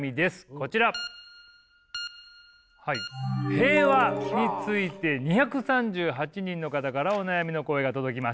平和について２３８人の方からお悩みの声が届きました。